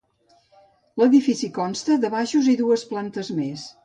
L'edifici consta de baixos i dues plantes més.